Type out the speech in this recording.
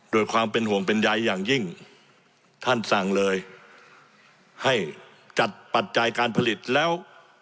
โดยความเป็นห่วงเป็นใยอย่างยิ่งท่านสั่งเลยให้จัดปัจจัยการผลิตแล้ว